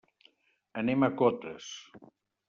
Anem a Cotes.